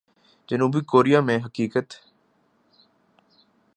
جنوبی کوریا میں حقیقت۔